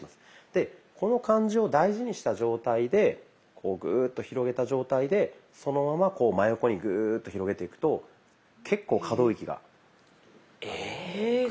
でこの感じを大事にした状態でこうグーッと広げた状態でそのまま真横にグーッと広げていくと結構可動域が。え！